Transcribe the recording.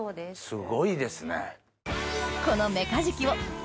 すごいですね。